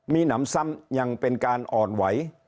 มีหนำซ้ำยังเป็นการอ่อนไหว